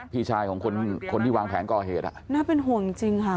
พี่ชายของคนคนที่วางแผนก่อเหตุอ่ะน่าเป็นห่วงจริงจริงค่ะ